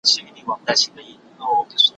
چي پر ټولو پاچهي کوي یو خدای دئ